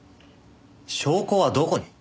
証拠はどこに？